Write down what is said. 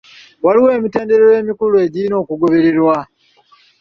Waliwo emitendera emikulu egirina okugobererwa.